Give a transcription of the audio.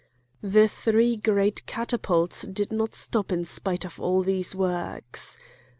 The three great catapults did not stop in spite of all these works.